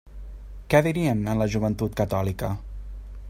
Què dirien en la Joventut Catòlica?